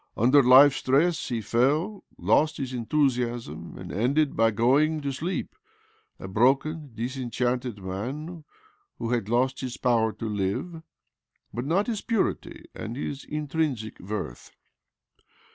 Under life's stress he fell, lost his enthusiasm, and ended by going to sleep — a broken, disenchanted man who had lost his power to live, but not his purity and his intrinsic worth.